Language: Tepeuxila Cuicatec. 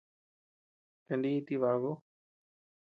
Kaníti baku.